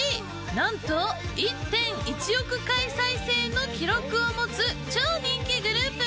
なんと１．１億回再生の記録を持つ超人気グループ。